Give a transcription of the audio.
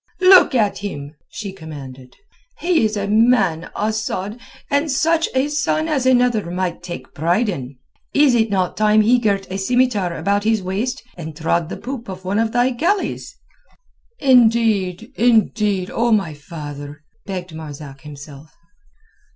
"Look at him," she commanded. "He is a man, Asad, and such a son as another might take pride in. Is it not time he girt a scimitar about his waist and trod the poop of one of thy galleys?" "Indeed, indeed, O my father!" begged Marzak himself.